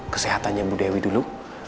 kesehatannya bu dewi dulu